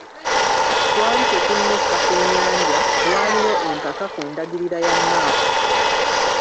Twali tetunnessa ku nnyanja, waaliwo empaka ku ndagirira ya map.